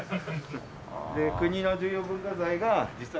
で国の重要文化財が実は。